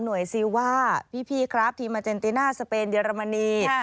หน่วยซิลว่าพี่ครับทีมอเจนติน่าสเปนเดียรมนี